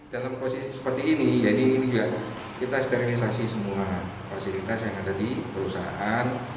dalam proses seperti ini kita sterilisasi semua fasilitas yang ada di perusahaan